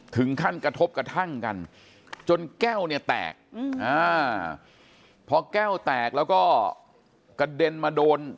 ถึงขั้นกระทบกระทั่งกันจนแก้วเนี่ยแตกพอแก้วแตกแล้วก็กระเด็นมาโดน